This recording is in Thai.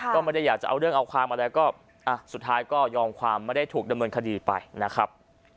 ก็ไม่ได้อยากจะเอาเรื่องเอาความอะไรก็สุดท้ายก็ยอมความไม่ได้ถูกดำเนินคดีไปนะครับ